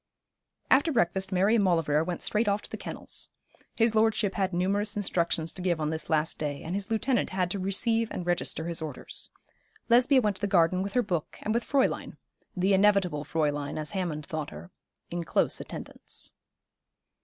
After breakfast Mary and Maulevrier went straight off to the kennels. His lordship had numerous instructions to give on this last day, and his lieutenant had to receive and register his orders. Lesbia went to the garden with her book and with Fräulein the inevitable Fräulein as Hammond thought her in close attendance.